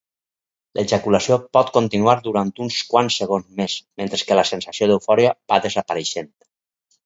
L'ejaculació pot continuar durant uns quants segons més, mentre que la sensació d'eufòria va desapareixent.